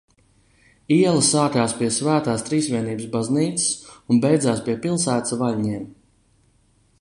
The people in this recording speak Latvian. Iela sākās pie Svētās Trīsvienības baznīcas un beidzās pie pilsētas vaļņiem.